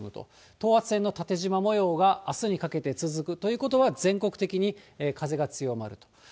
等圧線の縦じま模様があすにかけて続くということは、全国的に風が強まると。